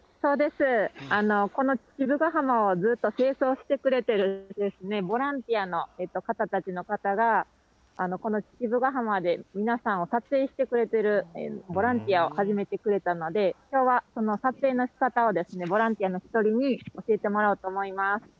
この父母ヶ浜をずっと清掃してくれてるですね、ボランティアの方たちの方が、この父母ヶ浜で、皆さんを撮影してくれてる、ボランティアを始めてくれたので、きょうはその撮影のしかたをボランティアの１人に教えてもらおうと思います。